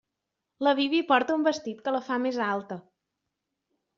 La Bibi porta un vestit que la fa més alta.